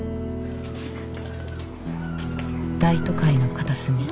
大都会の片隅。